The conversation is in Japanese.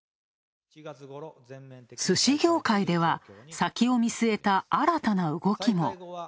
寿司業界では、先を見据えた新たな動きも。